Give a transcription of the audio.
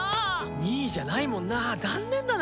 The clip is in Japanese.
２位じゃないもんな残念だな。